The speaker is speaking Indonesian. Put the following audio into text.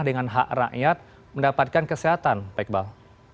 dengan hak rakyat mendapatkan kesehatan pak iqbal